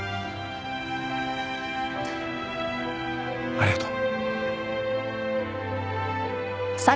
ありがとう。